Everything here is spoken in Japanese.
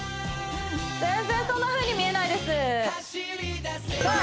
全然そんなふうに見えないですさあ